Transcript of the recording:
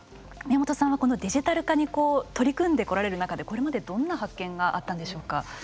宮本さんはこのデジタル化に取り組んでこられる中でこれまでどんな発見があったんでしょうか。